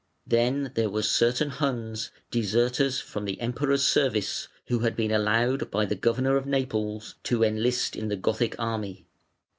Then there were certain Huns, deserters from the Emperor's service, who had been allowed by the governor of Naples to enlist in the Gothic army.